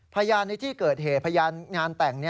พยานในที่เกิดเหตุพยานงานแต่ง